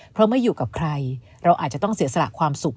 เพราะไม่อยู่กับใครเราอาจจะต้องเสียสละความสุข